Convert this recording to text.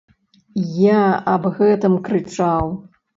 Я аб гэтым крычаў.